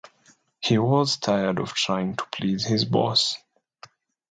He was tired of trying to please his boss.